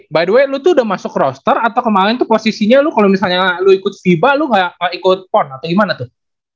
by the way lu tuh udah masuk roaster atau kemarin tuh posisinya lu kalau misalnya lo ikut fiba lu gak ikut pon atau gimana tuh